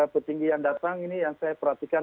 petinggi yang datang ini yang saya perhatikan